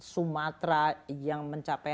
sumatera yang mencapai